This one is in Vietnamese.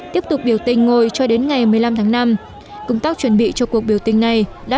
tiếp tục biểu tình ngồi cho đến ngày một mươi năm tháng năm công tác chuẩn bị cho cuộc biểu tình này đã